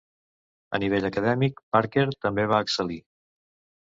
A nivell acadèmic, Parker també va excel·lir.